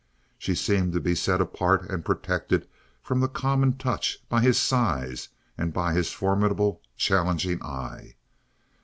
She seemed to be set apart and protected from the common touch by his size, and by his formidable, challenging eye.